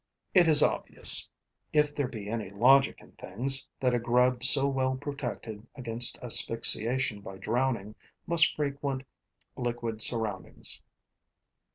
It is obvious, if there be any logic in things, that a grub so well protected against asphyxiation by drowning must frequent liquid surroundings.